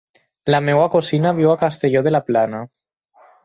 La meva cosina viu a Castelló de la Plana.